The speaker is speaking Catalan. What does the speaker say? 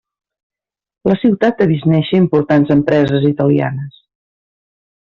La ciutat ha vist néixer importants empreses italianes.